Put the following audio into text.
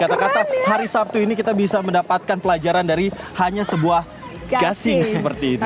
kata kata hari sabtu ini kita bisa mendapatkan pelajaran dari hanya sebuah gasing seperti itu